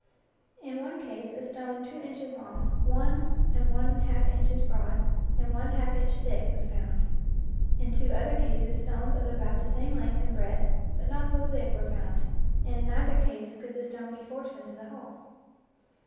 In one case a stone two inches long, one and one half inches broad, and one half inch thick was found. In two other cases stones of about the same length and breadth but not so thick were found, and in neither case could the stone be forced into the hole.